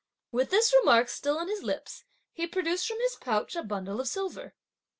With this remark still on his lips, he produced from his pouch a bundle of silver.